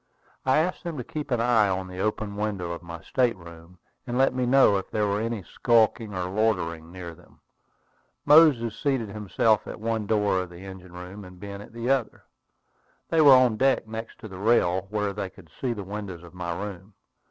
I asked them to keep an eye on the open windows of my state room, and let me know if there were any skulking or loitering near them. Moses seated himself at one door of the engine room, and Ben at the other. They were on deck, next to the rail, where they could see the windows of my room.